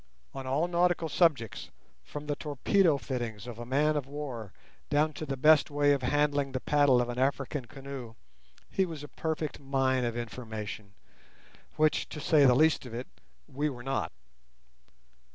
On all nautical subjects, from the torpedo fittings of a man of war down to the best way of handling the paddle of an African canoe, he was a perfect mine of information, which, to say the least of it, we were not.